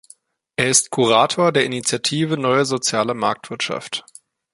Er ist Kurator der Initiative Neue Soziale Marktwirtschaft.